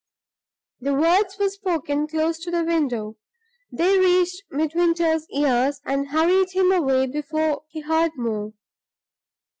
The words were spoken close to the window; they reached Midwinter's ears, and hurried him away before he heard more.